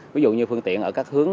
ví dụ như phương tiện ở các hướng